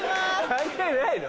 関係ないの？